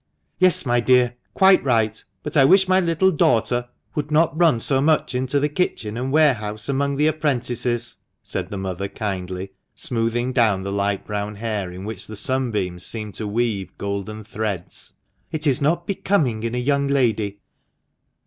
]" Yes, my dear, quite right ; but I wish my little daughter would not run so much into the kitchen and warehouse among the apprentices," said the mother, kindly, smoothing down the light brown hair, in which the sunbeams seemed to weave golden threads. " It is not becoming in a young lady."